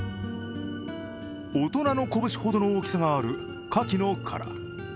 大人の拳ほどの大きさがあるカキの殻。